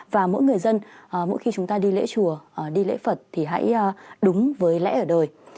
và mỗi người dân mỗi khi chúng ta đi lễ chùa đi lễ phật thì hãy đúng với lẽ ở đời